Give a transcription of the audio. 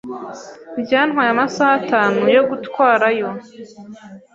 Byantwaye amasaha atanu yo gutwarayo.